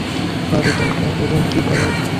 Sorry তোমরা দুজন কি বলদ?